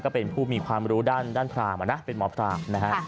ก็เป็นผู้มีความรู้ด้านพรามนะเป็นหมอพรามนะฮะ